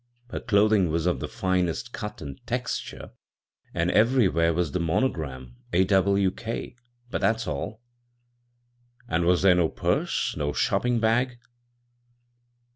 Her doth ing was of the finest cut and texture, and everywhere was the monogram, ' AWK '; but that's all." "And was there no purse? no shopping bag?"